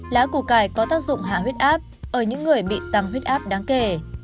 lá củ cải có tác dụng hạ huyết áp ở những người bị tăng huyết áp đáng kể